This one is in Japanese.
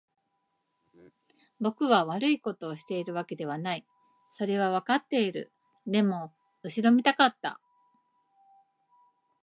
僕は悪いことをしているわけではない。それはわかっている。でも、後ろめたかった。